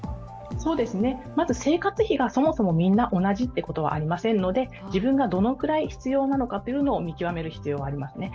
まず生活費がそもそもみんな同じことはありませんので自分がどのくらい必要なのかっていうのを見極める必要がありますね。